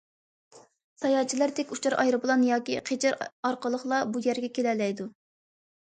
ساياھەتچىلەر تىك ئۇچار ئايروپىلان ياكى قېچىر ئارقىلىقلا بۇ يەرگە كېلەلەيدۇ.